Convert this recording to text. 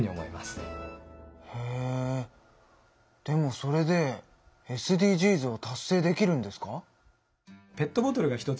でもそれでＳＤＧｓを達成できるんですか？